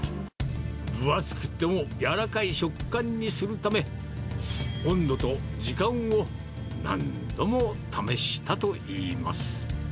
分厚くても柔らかい食感にするため、温度と時間を何度も試したといいます。